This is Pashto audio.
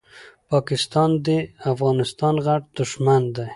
پاکستان دي افغانستان غټ دښمن ده